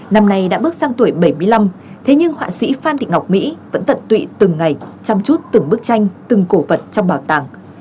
năm nay đã bước sang tuổi bảy mươi năm thế nhưng họa sĩ phan thị ngọc mỹ vẫn tận tụy từng ngày chăm chút từng bức tranh từng cổ vật trong bảo tàng